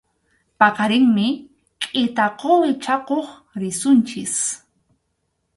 Paqarinmi kʼita quwi chakuq risunchik.